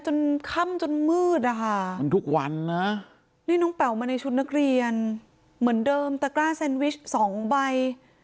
จนค่ำจนมืดนะคะมันทุกวันนะนี่น้องแป๋วมาในชุดนักเรียนเหมือนเดิมตะกร้าแซนวิชสองใบ